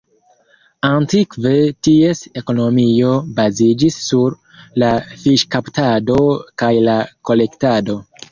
Antikve ties ekonomio baziĝis sur la fiŝkaptado kaj la kolektado.